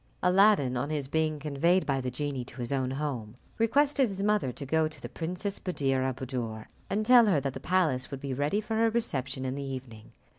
Aladdin, on his being conveyed by the genie to his own home, requested his mother to go to the Princess Buddir al Buddoor, and tell her that the palace would be ready for her reception in the evening.